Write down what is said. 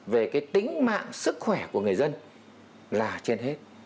về cái tính mạng sức khỏe của người dân là trên hết